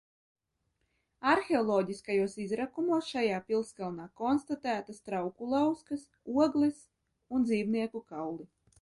Arheoloģiskajos izrakumos šajā pilskalnā konstatētas trauku lauskas, ogles un dzīvnieku kauli.